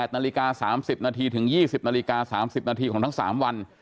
นาฬิกา๓๐นาทีถึง๒๐นาฬิกา๓๐นาทีของทั้ง๓วัน